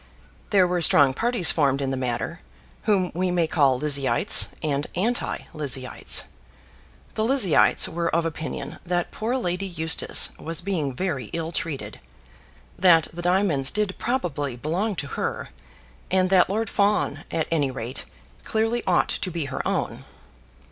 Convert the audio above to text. There were strong parties formed in the matter, whom we may call Lizzieites and anti Lizzieites. The Lizzieites were of opinion that poor Lady Eustace was being very ill treated; that the diamonds did probably belong to her, and that Lord Fawn, at any rate, clearly ought to be her own.